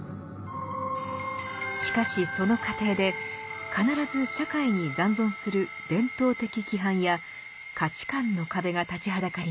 しかしその過程で必ず社会に残存する伝統的規範や価値観の壁が立ちはだかります。